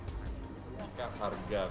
harga komoditas telur